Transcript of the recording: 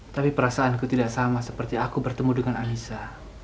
tapi perasaanku tidak sama seperti aku bertemu dengan anissa